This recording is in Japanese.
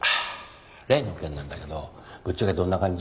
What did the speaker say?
例の件なんだけどぶっちゃけどんな感じ？